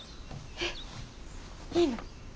えっいいの？